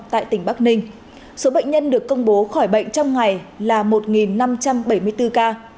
tại tỉnh bắc ninh số bệnh nhân được công bố khỏi bệnh trong ngày là một năm trăm bảy mươi bốn ca